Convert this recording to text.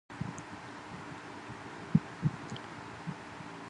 There is also a large Roman Catholic church building and a large Buddhist temple.